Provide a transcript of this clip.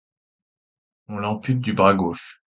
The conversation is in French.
On l'ampute du bras gauche.